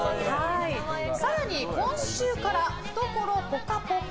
更に今週から、懐ぽかぽか！